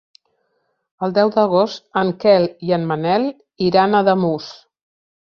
El deu d'agost en Quel i en Manel iran a Ademús.